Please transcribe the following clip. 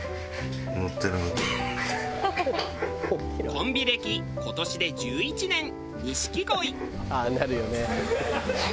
コンビ歴今年で１１年錦鯉。